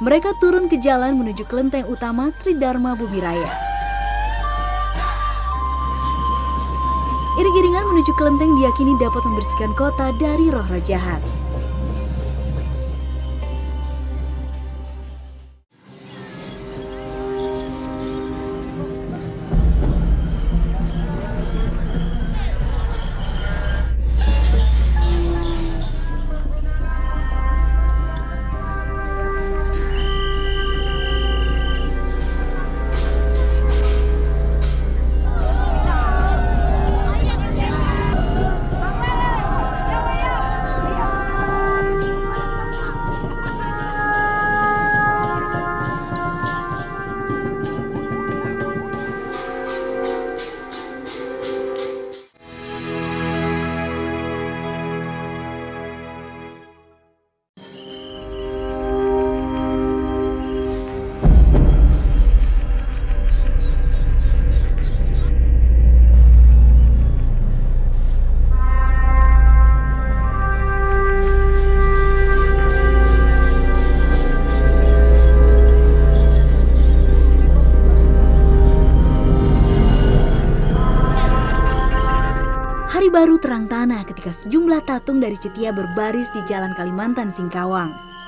mereka mengambil alat yang menangani kekuasaan